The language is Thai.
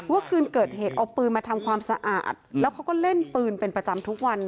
คืนเกิดเหตุเอาปืนมาทำความสะอาดแล้วเขาก็เล่นปืนเป็นประจำทุกวัน